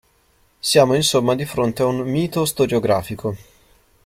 Siamo insomma di fronte a un "mito storiografico".